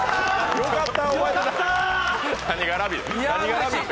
良かった！